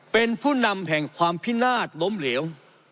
เป็นผู้นำแห่งความพินาศล้มเหลว